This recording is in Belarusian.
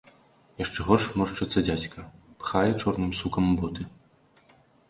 Яшчэ горш моршчыцца дзядзька, пхае чорным сукам у боты.